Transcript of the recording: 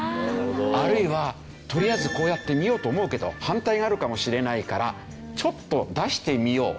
あるいはとりあえずこうやってみようと思うけど反対があるかもしれないからちょっと出してみよう。